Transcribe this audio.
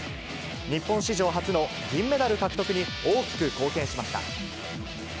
日本史上初の銀メダル獲得に大きく貢献しました。